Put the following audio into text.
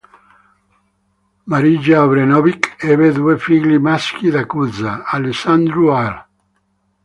Marija Obrenović ebbe due figli maschi da Cuza: Alexandru Al.